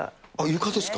床ですか？